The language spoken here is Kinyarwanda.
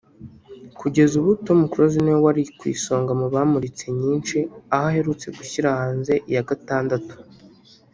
Kugeza ubu Tom Close ni we wari ku isonga mu bamuritse nyinshi aho aherutse gushyira hanze iya gatandatu